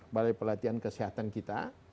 balai pelatihan kesehatan kita